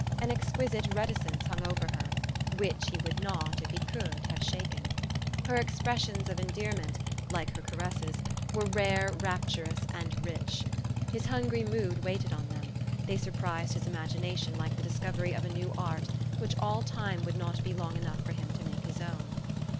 An exquisite reticence hung over her, which he would not, if he could, have shaken. Her expressions of endear THE STORY OF AVIS. 213 ment, like her caresses, were rare, rapturous, and rich. His hungry mood waited on them : they sur prised his imagination like the discovery of a new art, which all time would not be long enough for him to make his own.